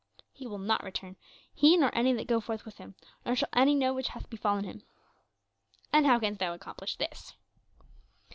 "He will not return, he nor any that go forth with him, nor shall any know what hath befallen him." "And how canst thou accomplish this?"